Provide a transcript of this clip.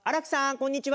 こんにちは！